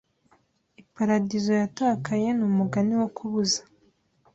Iparadizo yatakaye n'umugani wo kubuza"